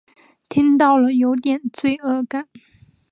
听到了有点罪恶感